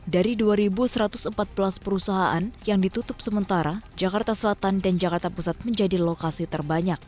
dari dua satu ratus empat belas perusahaan yang ditutup sementara jakarta selatan dan jakarta pusat menjadi lokasi terbanyak